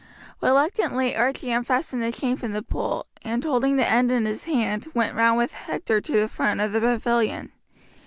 Reluctantly Archie unfastened the chain from the pole, and holding the end in his hand went round with Hector to the front of the pavilion.